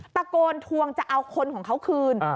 ตะโกนทวงจะเอาคนของเขาคืน